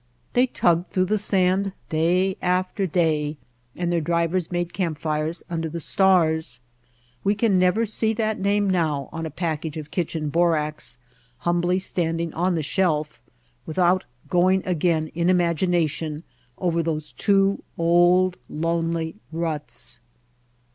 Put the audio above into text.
They tugged through the sand day after day and their drivers made camp fires under the stars. We can never see that name now on a package of kitchen borax, humbly standing on the shelf, without going again in imagination over those two old, lonely ruts.